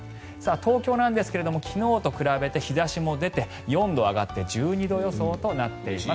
東京なんですが昨日と比べて日差しも出て４度上がって１２度予想となっています。